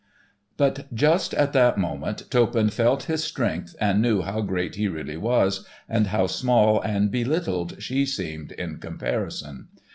But just at that moment Toppan felt his strength and knew how great he really was, and how small and belittled she seemed in comparison.